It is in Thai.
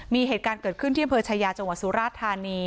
มีเหตุการณ์เกิดขึ้นที่อำเภอชายาจังหวัดสุราธานี